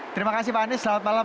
terima kasih pak anies selamat malam